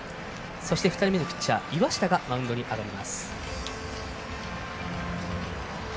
２人目のピッチャー岩下がマウンドに上がります。